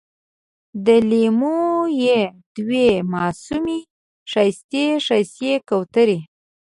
د لېمو یې دوې معصومې ښایستې، ښایستې کوترې